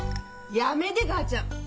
やめで母ちゃん！